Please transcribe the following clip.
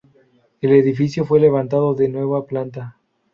El edificio fue levantado de nueva planta.